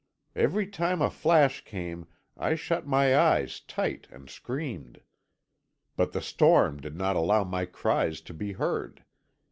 Every time a flash came I shut my eyes tight and screamed. But the storm did not allow my cries to be heard.